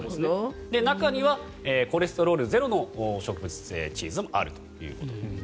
中にはコレステロールゼロの植物性チーズもあると。